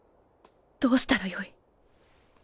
どうしたらよい？